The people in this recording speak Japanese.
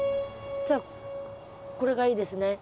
じゃあこれがいいですね。